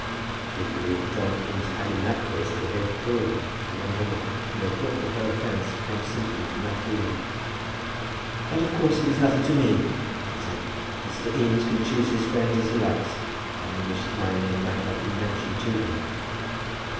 She had believed that John Eames had in that case behaved cruelly to a young woman, and had thought that her offence had come simply from that feeling. "But of course it is nothing to me," she said. "Mr. Eames can choose his friends as he likes. I only wish that my name might not be mentioned to them."